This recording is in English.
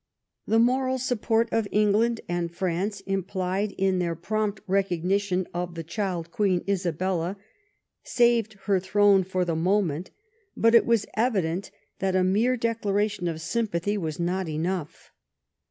The moral support of England and France, implied in their prompt recognition of the child queen Isabella, saved her throne for the moment, but it was evident that a mere declaration of sympathy was not enough.